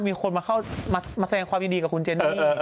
มีคนมาเข้ามาแสดงความยินดีกับคุณเจนี่